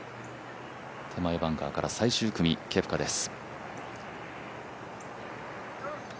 手前バンカーから最終組、ケプカです。